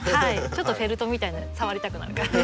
ちょっとフェルトみたいな触りたくなる感じ。